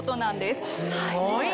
すごい。